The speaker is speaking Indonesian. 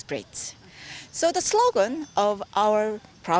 jadi slogan program kami adalah